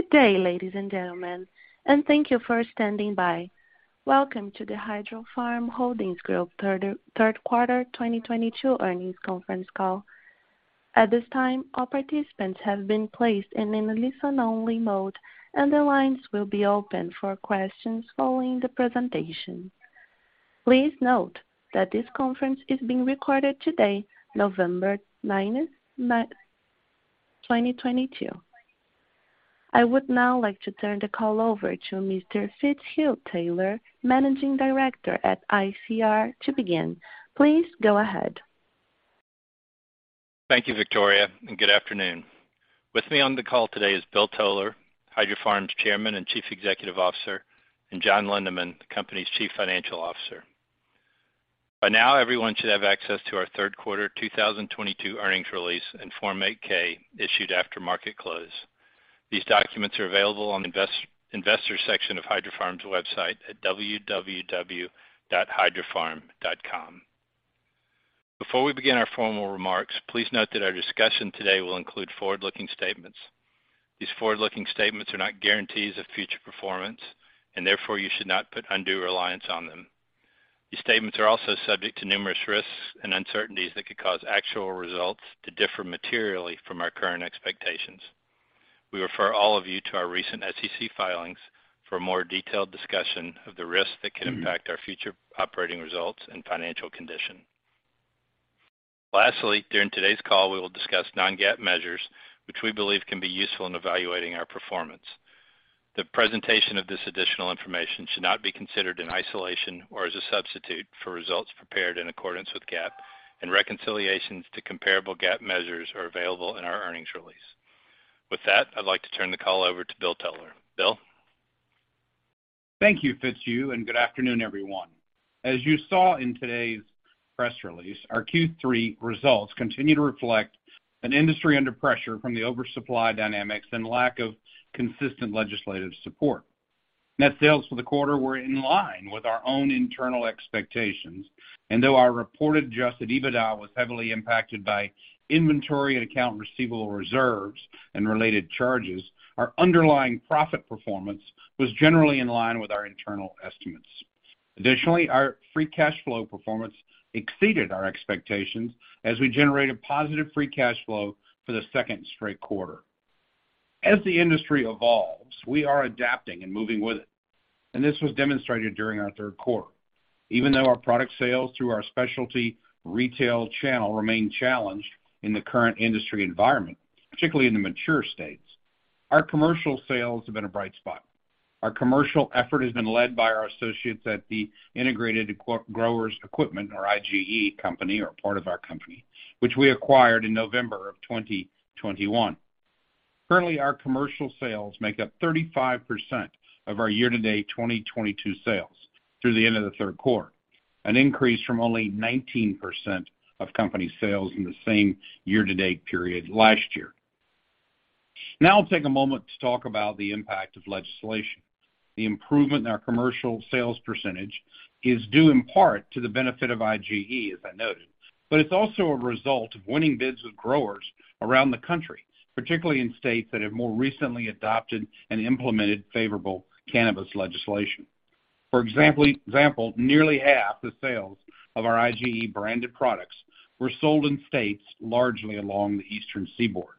Good day, ladies and gentlemen, and thank you for standing by. Welcome to the Hydrofarm Holdings Group third quarter 2022 earnings conference call. At this time, all participants have been placed in a listen-only mode, and the lines will be open for questions following the presentation. Please note that this conference is being recorded today, November ninth, 2022. I would now like to turn the call over to Mr. Fitzhugh Taylor, Managing Director at ICR to begin. Please go ahead. Thank you, Victoria, and good afternoon. With me on the call today is Bill Toler, Hydrofarm's Chairman and Chief Executive Officer, and John Lindeman, the company's Chief Financial Officer. By now, everyone should have access to our third quarter 2022 earnings release and Form 8-K issued after market close. These documents are available on the investor section of Hydrofarm's website at www.hydrofarm.com. Before we begin our formal remarks, please note that our discussion today will include forward-looking statements. These forward-looking statements are not guarantees of future performance, and therefore, you should not put undue reliance on them. These statements are also subject to numerous risks and uncertainties that could cause actual results to differ materially from our current expectations. We refer all of you to our recent SEC filings for a more detailed discussion of the risks that could impact our future operating results and financial condition. Lastly, during today's call, we will discuss non-GAAP measures, which we believe can be useful in evaluating our performance. The presentation of this additional information should not be considered in isolation or as a substitute for results prepared in accordance with GAAP and reconciliations to comparable GAAP measures are available in our earnings release. With that, I'd like to turn the call over to Bill Toler. Bill? Thank you, Fitzhugh, and good afternoon, everyone. As you saw in today's press release, our Q3 results continue to reflect an industry under pressure from the oversupply dynamics and lack of consistent legislative support. Net sales for the quarter were in line with our own internal expectations, and though our reported adjusted EBITDA was heavily impacted by inventory and accounts receivable reserves and related charges, our underlying profit performance was generally in line with our internal estimates. Additionally, our free cash flow performance exceeded our expectations as we generated positive free cash flow for the second straight quarter. As the industry evolves, we are adapting and moving with it, and this was demonstrated during our third quarter. Even though our product sales through our specialty retail channel remain challenged in the current industry environment, particularly in the mature states, our commercial sales have been a bright spot. Our commercial effort has been led by our associates at the Innovative Growers Equipment, or IGE company, or part of our company, which we acquired in November of 2021. Currently, our commercial sales make up 35% of our year-to-date 2022 sales through the end of the third quarter, an increase from only 19% of company sales in the same year-to-date period last year. Now I'll take a moment to talk about the impact of legislation. The improvement in our commercial sales percentage is due in part to the benefit of IGE, as I noted, but it's also a result of winning bids with growers around the country, particularly in states that have more recently adopted and implemented favorable cannabis legislation. For example, nearly half the sales of our IGE-branded products were sold in states largely along the eastern seaboard.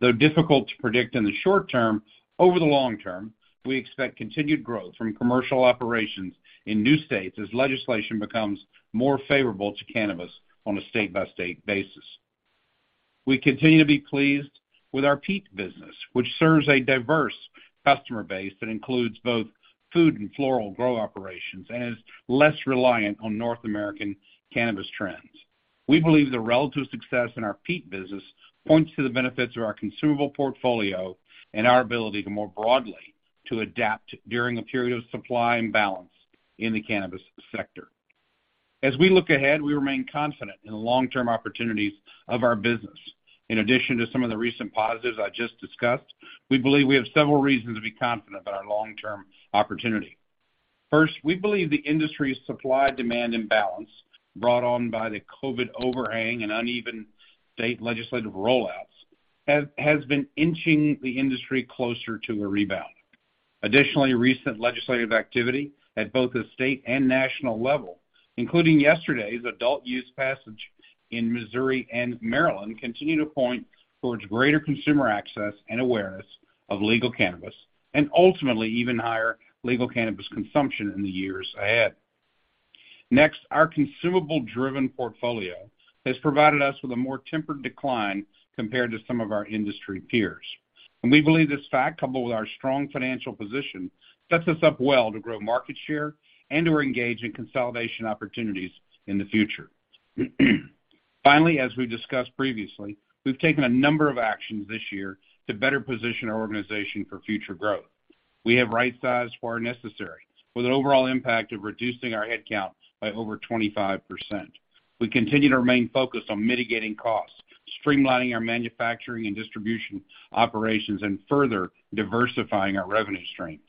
Though difficult to predict in the short term, over the long term, we expect continued growth from commercial operations in new states as legislation becomes more favorable to cannabis on a state-by-state basis. We continue to be pleased with our Peat business, which serves a diverse customer base that includes both food and floral grow operations and is less reliant on North American cannabis trends. We believe the relative success in our Peat business points to the benefits of our consumable portfolio and our ability to more broadly to adapt during a period of supply imbalance in the cannabis sector. As we look ahead, we remain confident in the long-term opportunities of our business. In addition to some of the recent positives I just discussed, we believe we have several reasons to be confident about our long-term opportunity. First, we believe the industry's supply-demand imbalance brought on by the COVID overhang and uneven state legislative rollouts has been inching the industry closer to a rebound. Additionally, recent legislative activity at both the state and national level, including yesterday's adult use passage in Missouri and Maryland, continue to point towards greater consumer access and awareness of legal cannabis, and ultimately, even higher legal cannabis consumption in the years ahead. Next, our consumable-driven portfolio has provided us with a more tempered decline compared to some of our industry peers. We believe this fact, coupled with our strong financial position, sets us up well to grow market share and to engage in consolidation opportunities in the future. Finally, as we discussed previously, we've taken a number of actions this year to better position our organization for future growth. We have right-sized where necessary with an overall impact of reducing our headcount by over 25%. We continue to remain focused on mitigating costs, streamlining our manufacturing and distribution operations, and further diversifying our revenue streams.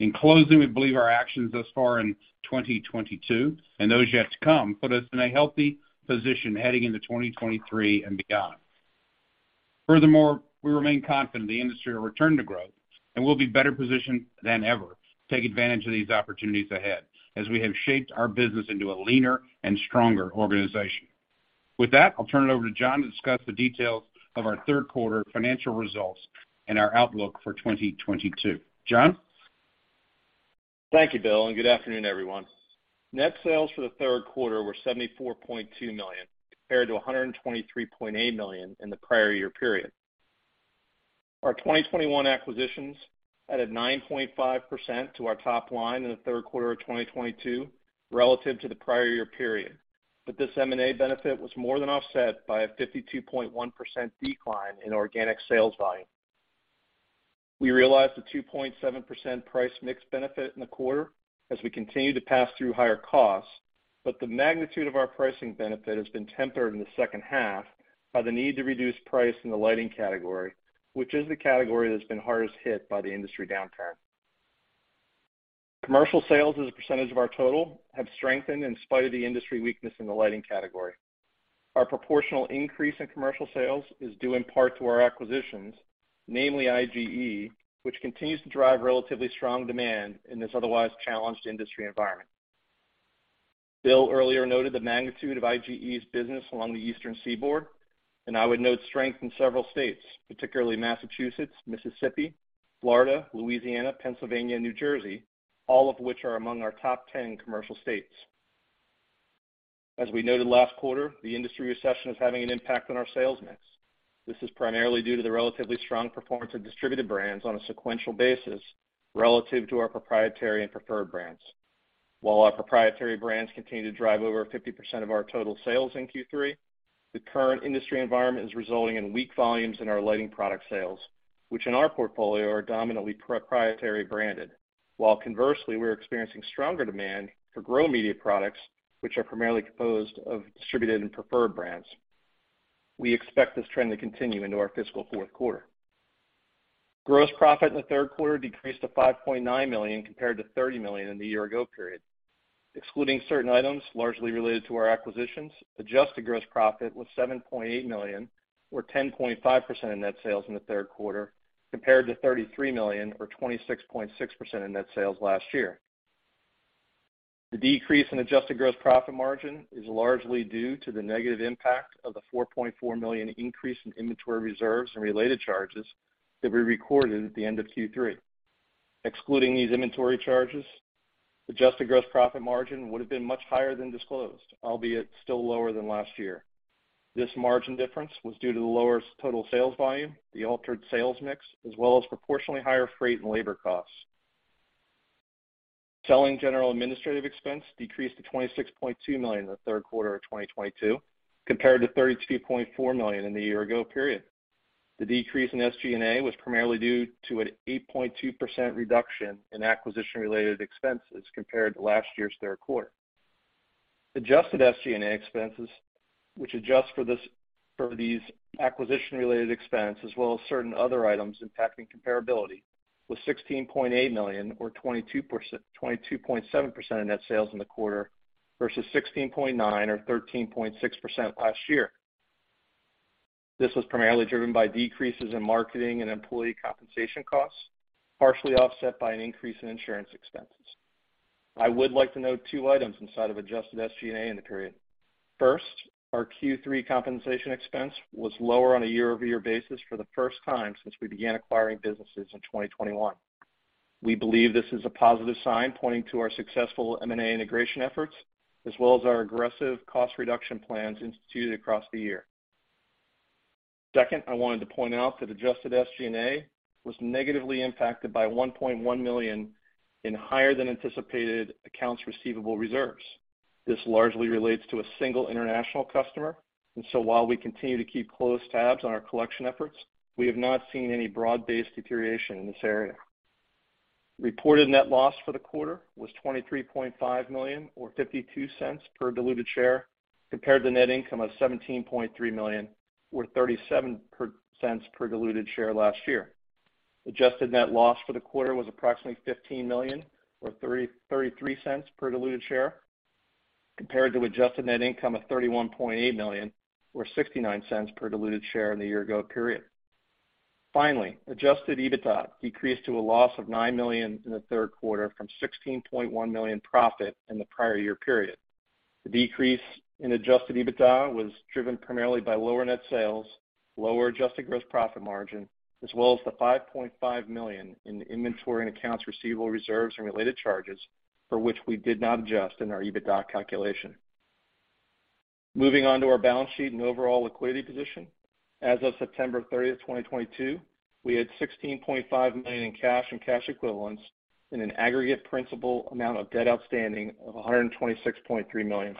In closing, we believe our actions thus far in 2022, and those yet to come, put us in a healthy position heading into 2023 and beyond. Furthermore, we remain confident the industry will return to growth, and we'll be better positioned than ever to take advantage of these opportunities ahead, as we have shaped our business into a leaner and stronger organization. With that, I'll turn it over to John to discuss the details of our third quarter financial results and our outlook for 2022. John? Thank you, Bill, and good afternoon, everyone. Net sales for the third quarter were $74.2 million, compared to $123.8 million in the prior year period. Our 2021 acquisitions added 9.5% to our top line in the third quarter of 2022 relative to the prior year period. This M&A benefit was more than offset by a 52.1% decline in organic sales volume. We realized a 2.7% price mix benefit in the quarter as we continue to pass through higher costs, but the magnitude of our pricing benefit has been tempered in the second half by the need to reduce price in the lighting category, which is the category that's been hardest hit by the industry downturn. Commercial sales as a percentage of our total have strengthened in spite of the industry weakness in the lighting category. Our proportional increase in commercial sales is due in part to our acquisitions, namely IGE, which continues to drive relatively strong demand in this otherwise challenged industry environment. Bill earlier noted the magnitude of IGE's business along the eastern seaboard, and I would note strength in several states, particularly Massachusetts, Mississippi, Florida, Louisiana, Pennsylvania, and New Jersey, all of which are among our top 10 commercial states. As we noted last quarter, the industry recession is having an impact on our sales mix. This is primarily due to the relatively strong performance of distributed brands on a sequential basis relative to our proprietary and preferred brands. While our proprietary brands continue to drive over 50% of our total sales in Q3, the current industry environment is resulting in weak volumes in our lighting product sales, which in our portfolio are dominantly proprietary branded. While conversely, we're experiencing stronger demand for grow media products, which are primarily composed of distributed and preferred brands. We expect this trend to continue into our fiscal fourth quarter. Gross profit in the third quarter decreased to $5.9 million compared to $30 million in the year ago period. Excluding certain items largely related to our acquisitions, adjusted gross profit was $7.8 million or 10.5% of net sales in the third quarter compared to $33 million or 26.6% of net sales last year. The decrease in adjusted gross profit margin is largely due to the negative impact of the $4.4 million increase in inventory reserves and related charges that we recorded at the end of Q3. Excluding these inventory charges, adjusted gross profit margin would have been much higher than disclosed, albeit still lower than last year. This margin difference was due to the lower total sales volume, the altered sales mix, as well as proportionally higher freight and labor costs. Selling general administrative expense decreased to $26.2 million in the third quarter of 2022 compared to $32.4 million in the year ago period. The decrease in SG&A was primarily due to an 8.2% reduction in acquisition-related expenses compared to last year's third quarter. Adjusted SG&A expenses, which adjust for these acquisition-related expenses as well as certain other items impacting comparability, was $16.8 million or 22.7% of net sales in the quarter versus $16.9 or 13.6% last year. This was primarily driven by decreases in marketing and employee compensation costs, partially offset by an increase in insurance expenses. I would like to note two items inside of adjusted SG&A in the period. First, our Q3 compensation expense was lower on a year-over-year basis for the first time since we began acquiring businesses in 2021. We believe this is a positive sign pointing to our successful M&A integration efforts as well as our aggressive cost reduction plans instituted across the year. Second, I wanted to point out that adjusted SG&A was negatively impacted by $1.1 million in higher than anticipated accounts receivable reserves. This largely relates to a single international customer, and so while we continue to keep close tabs on our collection efforts, we have not seen any broad-based deterioration in this area. Reported net loss for the quarter was $23.5 million or $0.52 per diluted share compared to net income of $17.3 million or $0.37 per diluted share last year. Adjusted net loss for the quarter was approximately $15 million or $0.33 per diluted share compared to adjusted net income of $31.8 million or $0.69 per diluted share in the year ago period. Finally, adjusted EBITDA decreased to a loss of $9 million in the third quarter from $16.1 million profit in the prior year period. The decrease in adjusted EBITDA was driven primarily by lower net sales, lower adjusted gross profit margin, as well as the $5.5 million in inventory and accounts receivable reserves and related charges for which we did not adjust in our EBITDA calculation. Moving on to our balance sheet and overall liquidity position. As of September 30th 2022, we had $16.5 million in cash and cash equivalents and an aggregate principal amount of debt outstanding of $126.3 million.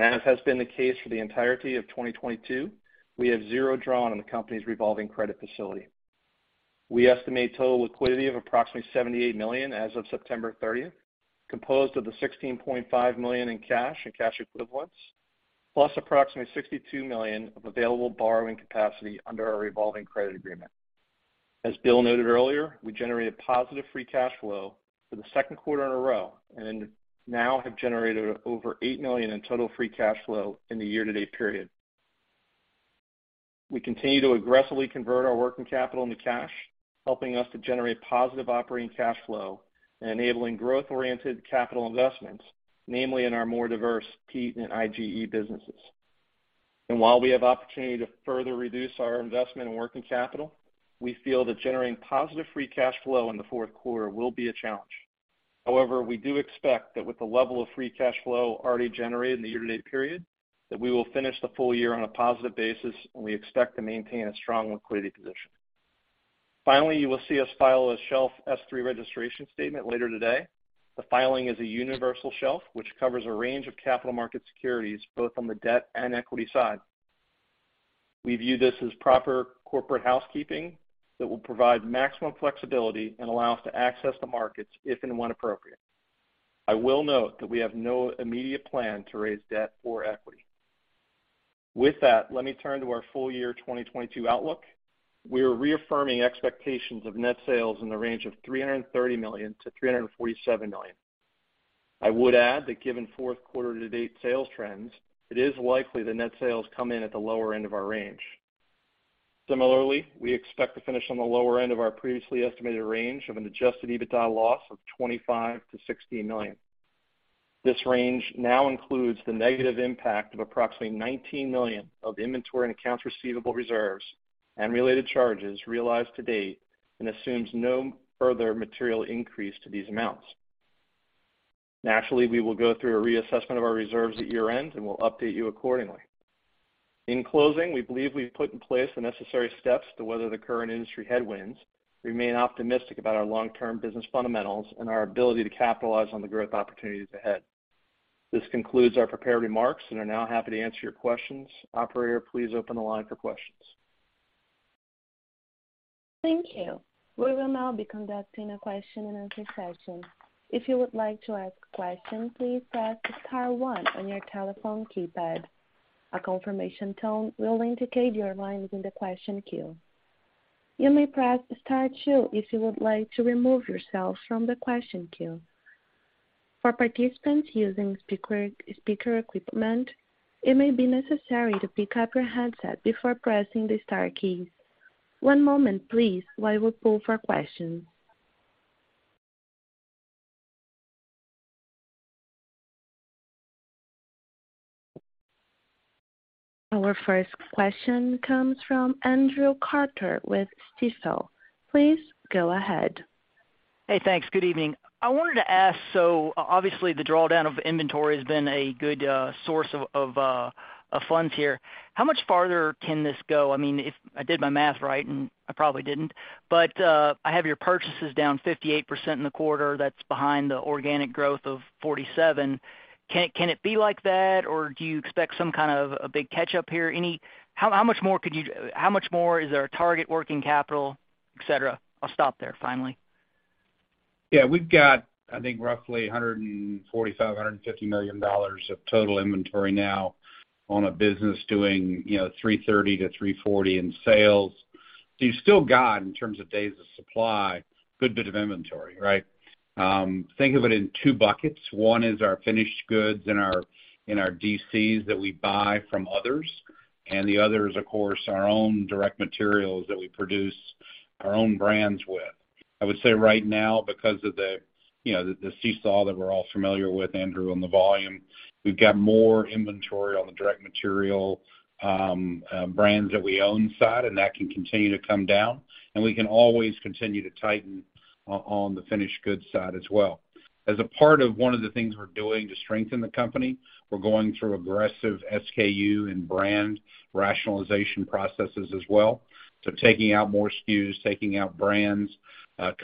As has been the case for the entirety of 2022, we have zero drawn on the company's revolving credit facility. We estimate total liquidity of approximately $78 million as of September 30th, composed of the $16.5 million in cash and cash equivalents. Approximately $62 million of available borrowing capacity under our Revolving Credit Agreement. As Bill noted earlier, we generated positive free cash flow for the second quarter in a row and now have generated over $8 million in total free cash flow in the year-to-date period. We continue to aggressively convert our working capital into cash, helping us to generate positive operating cash flow and enabling growth-oriented capital investments, namely in our more diverse Peat and IGE businesses. While we have opportunity to further reduce our investment in working capital, we feel that generating positive free cash flow in the fourth quarter will be a challenge. However, we do expect that with the level of free cash flow already generated in the year-to-date period, that we will finish the full year on a positive basis, and we expect to maintain a strong liquidity position. Finally, you will see us file a shelf S-3 registration statement later today. The filing is a universal shelf, which covers a range of capital market securities, both on the debt and equity side. We view this as proper corporate housekeeping that will provide maximum flexibility and allow us to access the markets if and when appropriate. I will note that we have no immediate plan to raise debt or equity. With that, let me turn to our full year 2022 outlook. We are reaffirming expectations of net sales in the range of $330 million-$347 million. I would add that given fourth quarter to date sales trends, it is likely that net sales come in at the lower end of our range. Similarly, we expect to finish on the lower end of our previously estimated range of an adjusted EBITDA loss of $25 million-$16 million. This range now includes the negative impact of approximately $19 million of inventory and accounts receivable reserves and related charges realized to date and assumes no further material increase to these amounts. Naturally, we will go through a reassessment of our reserves at year-end, and we'll update you accordingly. In closing, we believe we've put in place the necessary steps to weather the current industry headwinds. Remain optimistic about our long term business fundamentals and our ability to capitalize on the growth opportunities ahead. This concludes our prepared remarks and are now happy to answer your questions. Operator, please open the line for questions. Thank you. We will now be conducting a question and answer session. If you would like to ask a question, please press star one on your telephone keypad. A confirmation tone will indicate your line is in the question queue. You may press star two if you would like to remove yourself from the question queue. For participants using speaker equipment, it may be necessary to pick up your handset before pressing the star keys. One moment please, while we poll for questions. Our first question comes from Andrew Carter with Stifel. Please go ahead. Hey, thanks. Good evening. I wanted to ask, so obviously the drawdown of inventory has been a good source of funds here. How much farther can this go? I mean, if I did my math right, and I probably didn't, but I have your purchases down 58% in the quarter. That's behind the organic growth of 47%. Can it be like that, or do you expect some kind of a big catch up here? How much more is there a target working capital, et cetera? I'll stop there finally. Yeah, we've got, I think, roughly $145-$150 million of total inventory now on a business doing, you know, $330-$340 million in sales. So you've still got, in terms of days of supply, good bit of inventory, right? Think of it in two buckets. One is our finished goods in our DCs that we buy from others, and the other is, of course, our own direct materials that we produce our own brands with. I would say right now, because of the, you know, the seesaw that we're all familiar with, Andrew, on the volume, we've got more inventory on the direct material brands that we own side, and that can continue to come down, and we can always continue to tighten on the finished goods side as well. As a part of one of the things we're doing to strengthen the company, we're going through aggressive SKU and brand rationalization processes as well. Taking out more SKUs, taking out brands,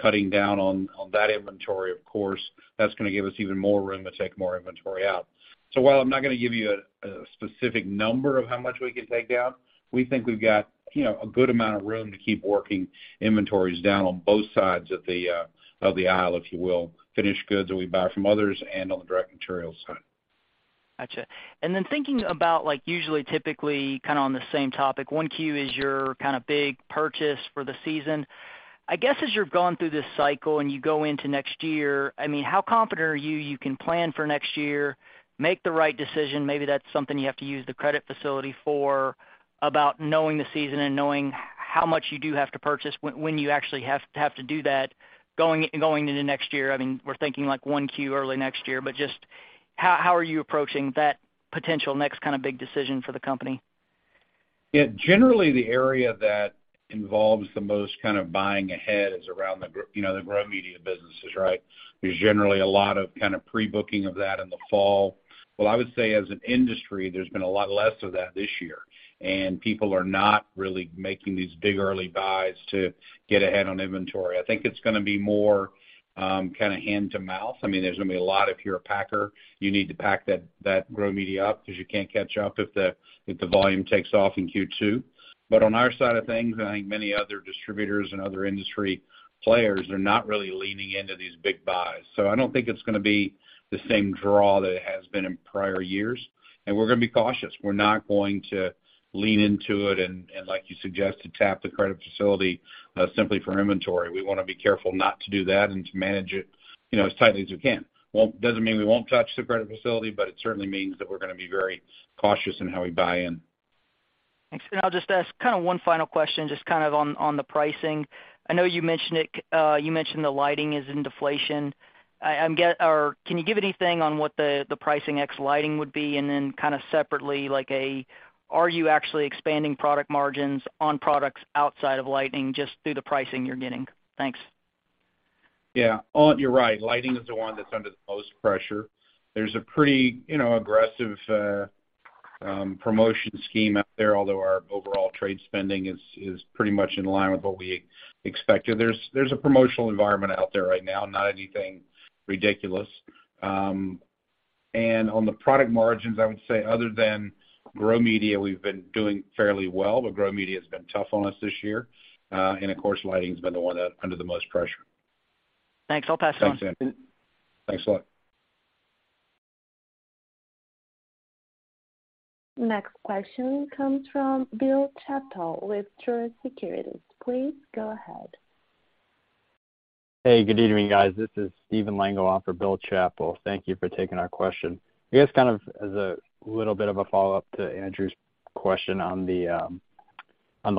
cutting down on that inventory, of course, that's gonna give us even more room to take more inventory out. While I'm not gonna give you a specific number of how much we can take out, we think we've got, you know, a good amount of room to keep working inventories down on both sides of the aisle, if you will, finished goods that we buy from others and on the direct materials side. Got you. Thinking about like usually, typically kind of on the same topic, 1Q is your kind of big purchase for the season. I guess as you've gone through this cycle and you go into next year, I mean, how confident are you you can plan for next year, make the right decision, maybe that's something you have to use the credit facility for, about knowing the season and knowing how much you do have to purchase when you actually have to do that going into next year. I mean, we're thinking like 1Q early next year, but just how are you approaching that potential next kind of big decision for the company? Yeah, generally the area that involves the most kind of buying ahead is around the you know, the grow media businesses, right? There's generally a lot of kind of pre-booking of that in the fall. Well, I would say as an industry, there's been a lot less of that this year, and people are not really making these big early buys to get ahead on inventory. I think it's gonna be more, kind of hand to mouth. I mean, there's gonna be a lot if you're a packer, you need to pack that grow media up because you can't catch up if the volume takes off in Q2. But on our side of things, I think many other distributors and other industry players are not really leaning into these big buys. I don't think it's gonna be the same draw that it has been in prior years. We're gonna be cautious. We're not going to lean into it and like you suggested, tap the credit facility simply for inventory. We wanna be careful not to do that and to manage it, you know, as tightly as we can. Doesn't mean we won't touch the credit facility, but it certainly means that we're gonna be very cautious in how we buy in. Thanks. I'll just ask kinda one final question, just kind of on the pricing. I know you mentioned the lighting is in deflation. Or can you give anything on what the pricing ex lighting would be? Then kinda separately, like, are you actually expanding product margins on products outside of lighting just through the pricing you're getting? Thanks. Yeah. You're right, lighting is the one that's under the most pressure. There's a pretty, you know, aggressive promotional scheme out there, although our overall trade spending is pretty much in line with what we expected. There's a promotional environment out there right now, not anything ridiculous. On the product margins, I would say other than Growing Media, we've been doing fairly well, but Growing Media has been tough on us this year. Of course, lighting's been the one that's under the most pressure. Thanks, I'll pass it on. Thanks, Andrew. Thanks a lot. Next question comes from Bill Chappell with Truist Securities. Please go ahead. Hey, good evening, guys. This is Stephen Lengel off for Bill Chappell. Thank you for taking our question. I guess kind of as a little bit of a follow-up to Andrew Carter's question on the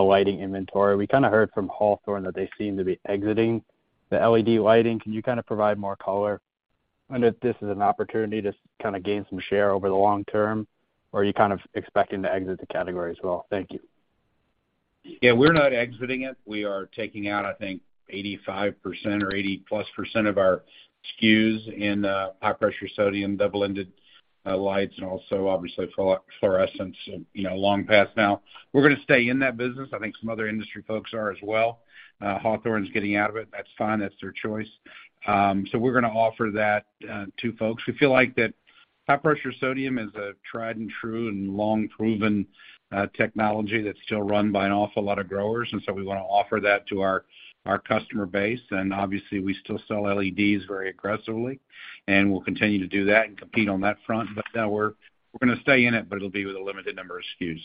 lighting inventory. We kinda heard from Hawthorne that they seem to be exiting the LED lighting. Can you kinda provide more color on if this is an opportunity to kinda gain some share over the long term? Or are you kind of expecting to exit the category as well? Thank you. Yeah, we're not exiting it. We are taking out, I think 85% or 80+% of our SKUs in high pressure sodium double-ended lights and also obviously fluorescents, you know, long past now. We're gonna stay in that business. I think some other industry folks are as well. Hawthorne's getting out of it. That's fine. That's their choice. We're gonna offer that to folks. We feel like that high pressure sodium is a tried and true and long proven technology that's still run by an awful lot of growers, and we wanna offer that to our customer base. Obviously we still sell LEDs very aggressively, and we'll continue to do that and compete on that front. No, we're gonna stay in it, but it'll be with a limited number of SKUs.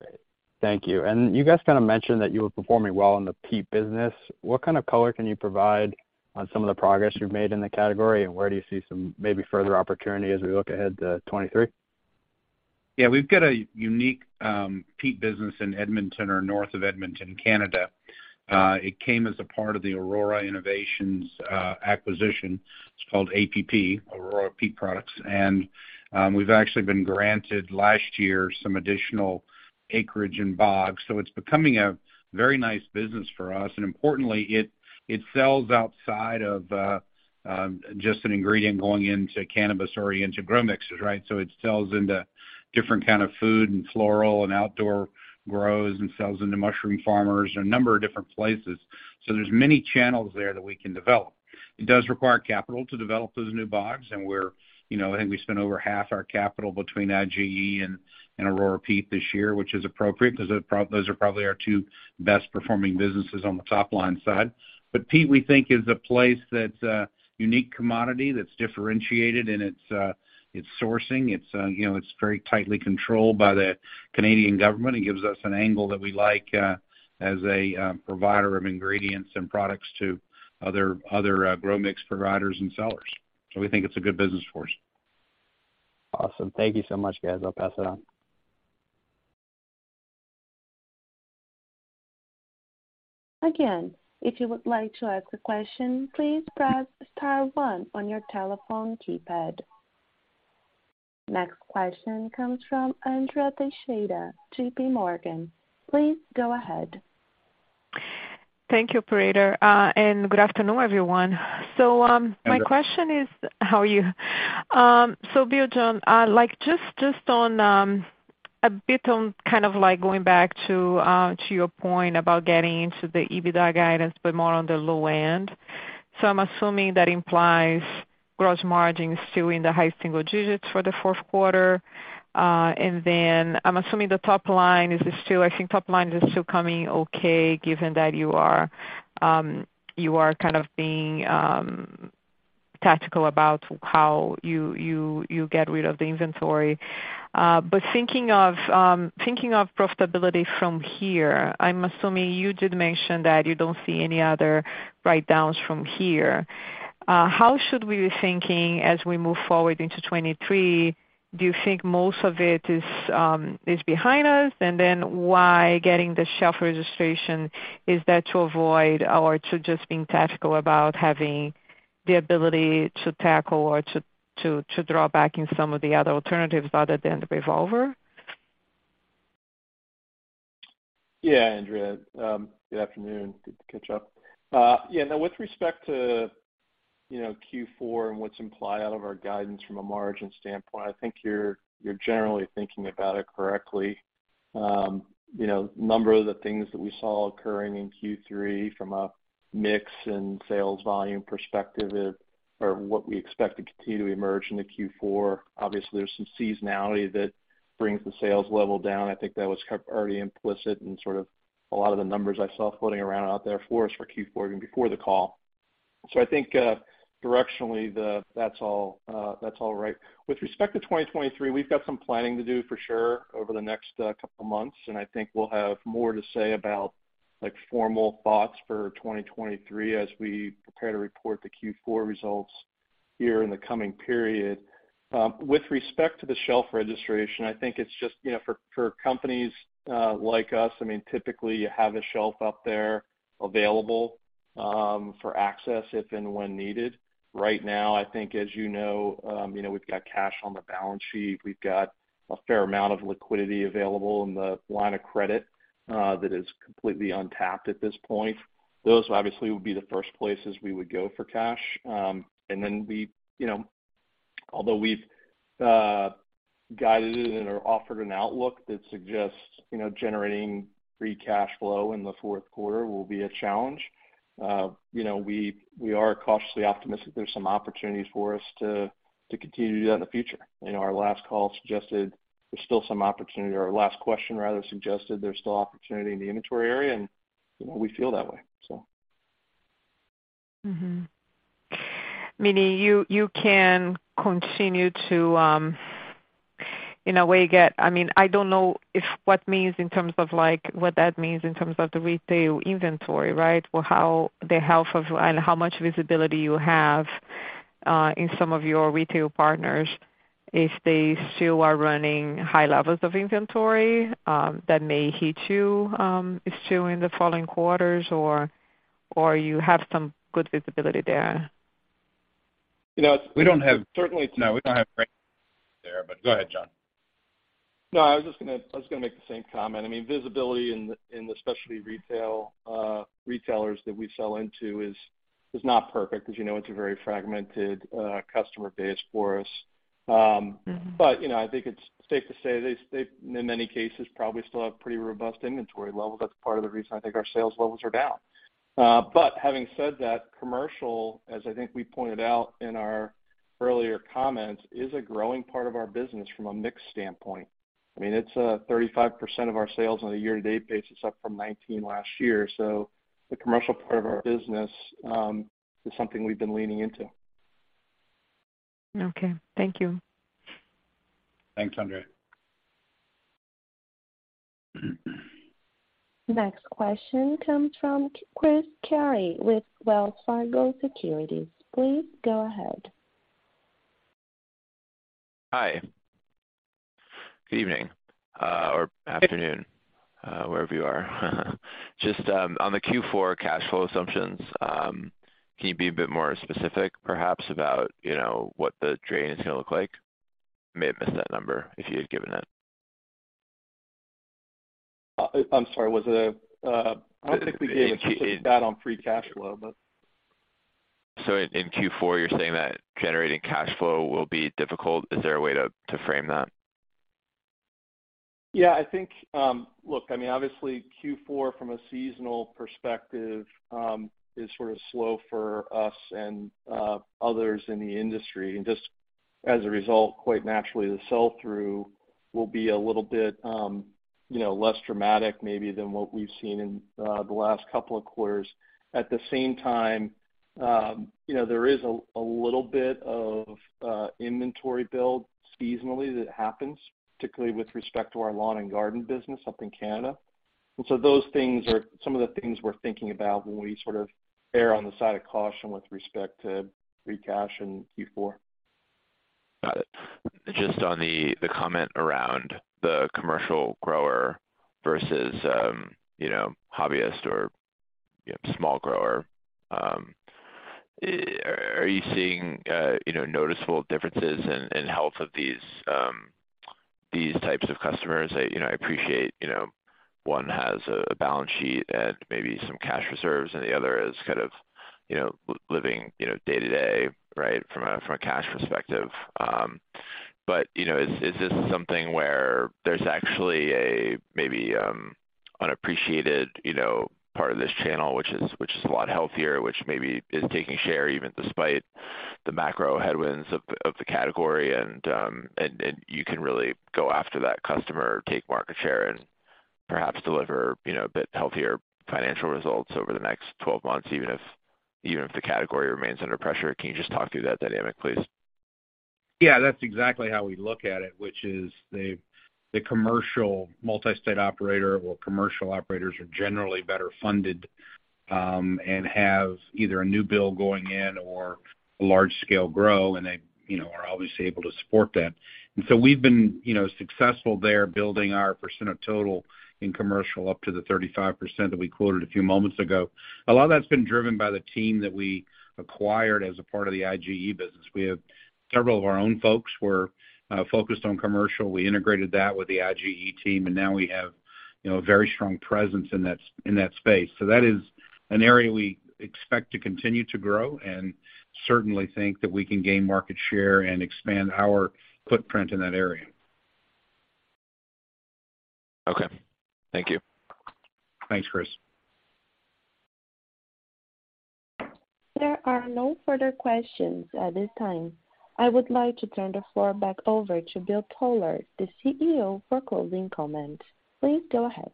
Great. Thank you. You guys kinda mentioned that you were performing well in the Peat business. What kind of color can you provide on some of the progress you've made in the category, and where do you see some maybe further opportunity as we look ahead to 2023? Yeah. We've got a unique Peat business in Edmonton or north of Edmonton, Canada. It came as a part of the Aurora Innovations acquisition. It's called APP, Aurora Peat Products. We've actually been granted last year some additional acreage and bogs, so it's becoming a very nice business for us. Importantly, it sells outside of just an ingredient going into cannabis-oriented grow mixes, right? It sells into different kind of food and floral and outdoor grows and sells into mushroom farmers, a number of different places. There's many channels there that we can develop. It does require capital to develop those new bogs, and we're, you know, I think we spent over half our capital between IGE and Aurora Peat this year, which is appropriate 'cause those are probably our two best performing businesses on the top line side. Peat, we think, is a place that's a unique commodity that's differentiated in its sourcing. You know, it's very tightly controlled by the Canadian government. It gives us an angle that we like as a provider of ingredients and products to other grow mix providers and sellers. We think it's a good business for us. Awesome. Thank you so much, guys. I'll pass it on. Again, if you would like to ask a question, please press star one on your telephone keypad. Next question comes from Andrea Teixeira, JPMorgan. Please go ahead. Thank you, operator, and good afternoon, everyone. Andrea. My question is. How are you? Bill, John, like just on a bit on kind of like going back to your point about getting into the EBITDA guidance, but more on the low end. I'm assuming that implies gross margin is still in the high single digits for the fourth quarter. Then I'm assuming the top line is still. I think top line is still coming okay, given that you are kind of being tactical about how you get rid of the inventory. Thinking of profitability from here, I'm assuming you did mention that you don't see any other write-downs from here. How should we be thinking as we move forward into 2023? Do you think most of it is behind us? Why getting the shelf registration? Is that to avoid or to just being tactical about having the ability to tackle or to draw back in some of the other alternatives other than the revolver? Yeah, Andrea. Good afternoon. Good to catch up. Yeah, no, with respect to, you know, Q4 and what's implied out of our guidance from a margin standpoint, I think you're generally thinking about it correctly. You know, a number of the things that we saw occurring in Q3 from a mix and sales volume perspective or what we expect to continue to emerge into Q4, obviously, there's some seasonality that brings the sales level down. I think that was already implicit in sort of a lot of the numbers I saw floating around out there for us for Q4 even before the call. I think, directionally, that's all right. With respect to 2023, we've got some planning to do for sure over the next couple months, and I think we'll have more to say about like formal thoughts for 2023 as we prepare to report the Q4 results here in the coming period. With respect to the shelf registration, I think it's just, you know, for companies like us, I mean, typically you have a shelf up there available for access if and when needed. Right now, I think as you know, we've got cash on the balance sheet. We've got a fair amount of liquidity available in the line of credit that is completely untapped at this point. Those obviously would be the first places we would go for cash. We, you know, although we've guided and/or offered an outlook that suggests, you know, generating free cash flow in the fourth quarter will be a challenge, you know, we are cautiously optimistic there's some opportunities for us to continue to do that in the future. You know, our last call suggested there's still some opportunity. Our last question rather suggested there's still opportunity in the inventory area, and, you know, we feel that way. Meaning you can continue to, I mean, I don't know if that means in terms of like, what that means in terms of the retail inventory, right? Or the health and how much visibility you have in some of your retail partners, if they still are running high levels of inventory, that may hit you still in the following quarters or you have some good visibility there. You know, we don't have. Certainly it's- No, we don't have there, but go ahead, John. No, I was just gonna make the same comment. I mean, visibility in the specialty retail retailers that we sell into is not perfect because you know it's a very fragmented customer base for us. Mm-hmm. You know, I think it's safe to say they in many cases probably still have pretty robust inventory levels. That's part of the reason I think our sales levels are down. Having said that, commercial, as I think we pointed out in our earlier comments, is a growing part of our business from a mix standpoint. I mean, it's 35% of our sales on a year-to-date basis, up from 19% last year. The commercial part of our business is something we've been leaning into. Okay. Thank you. Thanks, Andrea. Next question comes from Chris Carey with Wells Fargo Securities. Please go ahead. Hi. Good evening or afternoon, wherever you are. Just on the Q4 cash flow assumptions, can you be a bit more specific perhaps about, you know, what the drain is gonna look like? May have missed that number if you had given it. I'm sorry. I don't think we gave a stat on free cash flow, but. In Q4, you're saying that generating cash flow will be difficult. Is there a way to frame that? Yeah, I think, look, I mean, obviously Q4 from a seasonal perspective is sort of slow for us and others in the industry. Just as a result, quite naturally, the sell-through will be a little bit, you know, less dramatic maybe than what we've seen in the last couple of quarters. At the same time, you know, there is a little bit of inventory build seasonally that happens, particularly with respect to our lawn and garden business up in Canada. Those things are some of the things we're thinking about when we sort of err on the side of caution with respect to free cash in Q4. Got it. Just on the comment around the commercial grower versus, you know, hobbyist or, you know, small grower. Are you seeing, you know, noticeable differences in health of these types of customers? I, you know, I appreciate, you know, one has a balance sheet and maybe some cash reserves and the other is kind of, you know, living, you know, day to day, right, from a cash perspective. You know, is this something where there's actually a maybe unappreciated you know part of this channel which is a lot healthier, which maybe is taking share even despite the macro headwinds of the category and you can really go after that customer, take market share and perhaps deliver you know a bit healthier financial results over the next 12 months, even if the category remains under pressure? Can you just talk through that dynamic, please? Yeah, that's exactly how we look at it, which is the commercial multi-state operator or commercial operators are generally better funded and have either a new build going in or a large scale grow and they, you know, are obviously able to support that. We've been, you know, successful there building our percent of total in commercial up to the 35% that we quoted a few moments ago. A lot of that's been driven by the team that we acquired as a part of the IGE business. We have several of our own folks who are focused on commercial. We integrated that with the IGE team, and now we have, you know, a very strong presence in that space. That is an area we expect to continue to grow and certainly think that we can gain market share and expand our footprint in that area. Okay. Thank you. Thanks, Chris. There are no further questions at this time. I would like to turn the floor back over to Bill Toler, the CEO, for closing comments. Please go ahead.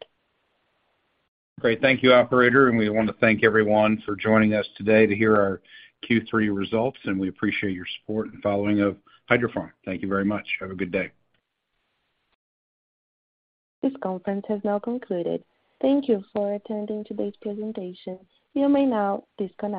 Great. Thank you, operator, and we want to thank everyone for joining us today to hear our Q3 results, and we appreciate your support and following of Hydrofarm. Thank you very much. Have a good day. This conference has now concluded. Thank you for attending today's presentation. You may now disconnect.